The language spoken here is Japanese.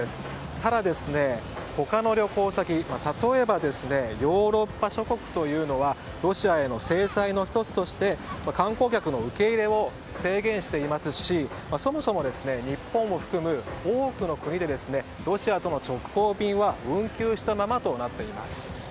ただ、他の旅行先例えばヨーロッパ諸国というのはロシアへの制裁の１つとして観光客の受け入れを制限していますしそもそも、日本を含む多くの国でロシアとの直行便は運休したままとなっています。